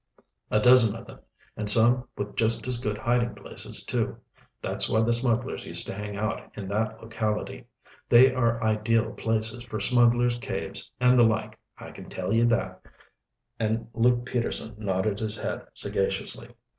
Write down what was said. "A dozen of them, and some with just as good hiding places, too. That's why the smugglers used to hang out in that locality. They are ideal places for smugglers' caves and the like, I can tell ye that," and Luke Peterson nodded his head sagaciously.